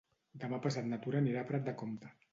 Demà passat na Tura anirà a Prat de Comte.